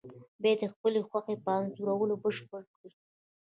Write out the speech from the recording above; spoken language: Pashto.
بیا یې د خپلې خوښې په انځورونو بشپړ کړئ.